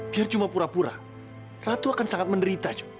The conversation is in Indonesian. biar cuma pura pura ratu akan sangat menderita